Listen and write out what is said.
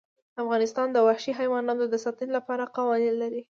افغانستان د وحشي حیواناتو د ساتنې لپاره قوانین لري.